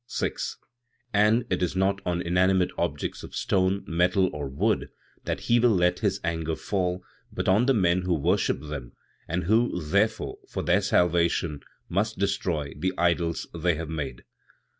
6. "And it is not on inanimate objects of stone, metal or wood that He will let His anger fall, but on the men who worship them, and who, therefore, for their salvation, must destroy the idols they have made.